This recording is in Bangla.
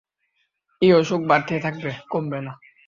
এই অসুখ বাড়তেই থাকবে, কমবে না।